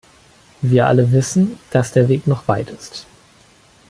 Wir alle wissen, dass der Weg noch weit ist.